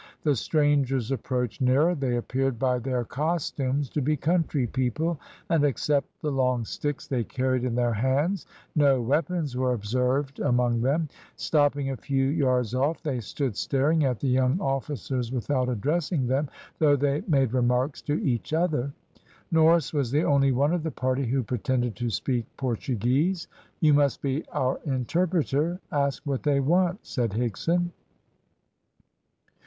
The strangers approached nearer. They appeared by their costumes to be country people, and except the long sticks they carried in their hands no weapons were observed among them. Stopping a few yards off they stood staring at the young officers without addressing them, though they made remarks to each other. Norris was the only one of the party who pretended to speak Portuguese. "You must be our interpreter. Ask what they want," said Higson.